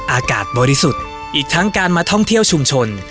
อากาศบริสุทธิ์อีกทั้งการมาท่องเที่ยวชุมชน